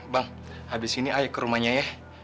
bang habis ini ayo ke rumahnya ya